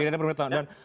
tidak ada pemberitahuan